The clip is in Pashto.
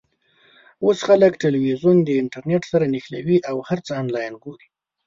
اوس خلک ټلویزیون د انټرنېټ سره نښلوي او هر څه آنلاین ګوري.